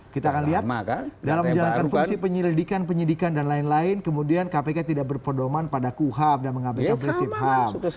kita akan lihat dalam menjalankan fungsi penyelidikan penyidikan dan lain lain kemudian kpk tidak berpedoman pada kuhap dan mengabaikan prinsip ham